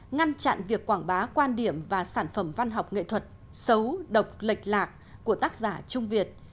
ngăn chặn việc quảng bá quan điểm và sản phẩm văn học nghệ thuật xấu độc lệch lạc của tác giả trung việt